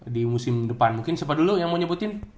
di musim depan mungkin siapa dulu yang mau nyebutin